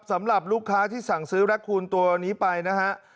สำหรับลูกค้าที่สั่งซื้อแร็คคูณตัวนี้ไปนะฮะ